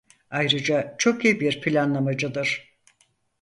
Ayrıca çok iyi bir planlamacıdır.